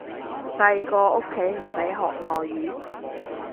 細個屋企唔俾學外語